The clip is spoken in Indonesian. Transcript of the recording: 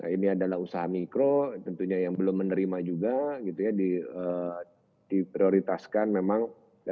ini adalah usaha mikro tentunya yang belum menerima juga gitu ya diprioritaskan memang